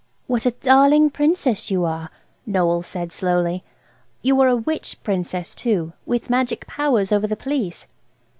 "What a darling Princess you are!" Noël said slowly. "You are a witch Princess, too, with magic powers over the Police."